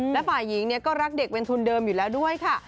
และฝ่ายหญิงก็รักเด็กเป็นทุนเดิมอยู่แล้วด้วยค่ะ